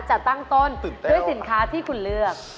จะตั้งต้นด้วยสินค้าที่คุณเลือก